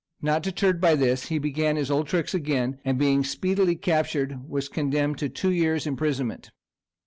Not deterred by this, he began his old tricks again, and being speedily captured was condemned to two years' imprisonment.